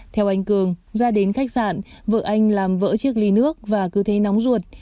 theo anh cường do đến khách sạn vợ anh làm vỡ chiếc ly nước và cứ thấy nóng ruột